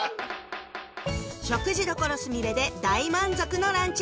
「食事処すみれ」で大満足のランチ